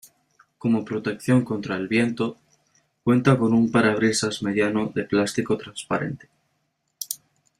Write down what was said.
Como protección contra el viento cuenta con un parabrisas mediano de plástico transparente.